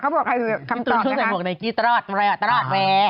พี่ตูนช่วยใส่หัวในกี้ตลอด